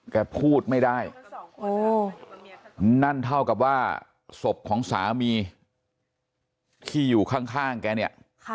แกพูดไม่ได้นั่นเท่ากับว่าศพของสามีที่อยู่ข้างแกเนี่ย